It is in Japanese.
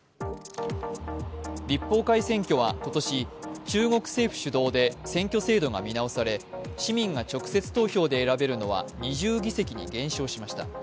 立法会選挙は今年、中国政府主導で選挙制度が見直され、市民が直接投票で選べるのは２０議席に減少しました。